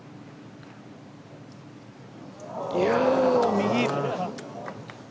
右。